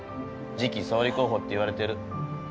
次期総理候補っていわれてる。